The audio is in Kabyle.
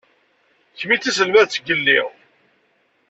D kemm i d taselmadt n yelli..